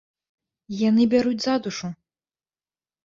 Яны бяруць за душу!